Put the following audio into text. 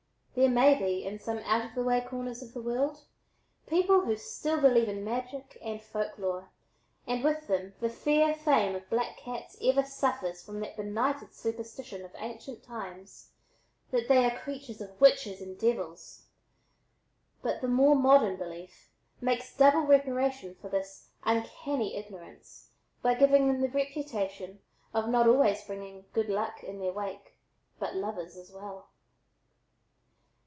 There may be in some out of the way corners of the world, people who still believe in magic and folk lore and with them the fair fame of black cats ever suffers from that benighted superstition of ancient times, that they are creatures of witches and devils. But the more modern belief makes double reparation for this uncanny ignorance by giving them the reputation of not only always bringing good luck in their wake, but lovers as well.